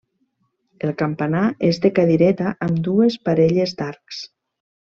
El campanar és de cadireta amb dues parelles d'arcs.